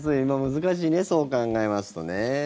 難しいね、そう考えますとね。